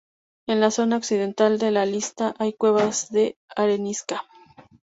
En la zona occidental de la isla hay cuevas de arenisca.